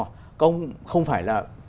các ông không phải là